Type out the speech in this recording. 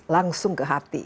langsung ke hati